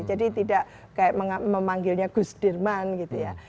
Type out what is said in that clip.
jadi tidak kayak memanggilnya gus dirman gitu ya